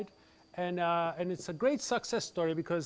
dan ini adalah cerita sukses yang bagus